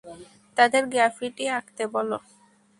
তাদের গ্রাফিতি আঁকতে বলো।